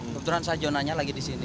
kebetulan saya jonanya lagi di sini